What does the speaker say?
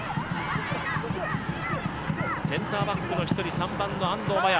センターバックの１人３番の安藤麻耶